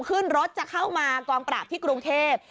ขึ้นรถจะเข้ามากองปราบที่กรุงเทพ